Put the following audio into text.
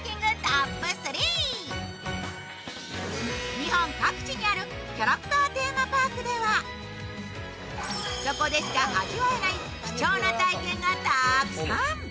日本各地にあるキャラクターテーマパークでは、そこでしか味わえない貴重な体験がたくさん。